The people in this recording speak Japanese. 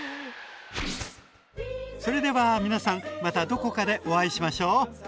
それでは皆さんまたどこかでお会いしましょう！